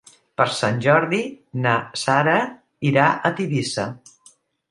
Per Sant Jordi na Sara irà a Tivissa.